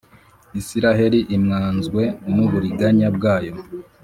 Israheli imwazwe n’uburiganya bwayo.